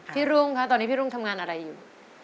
รุ่งคะตอนนี้พี่รุ่งทำงานอะไรอยู่